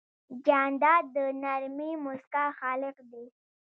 جانداد د نرمې موسکا خالق دی.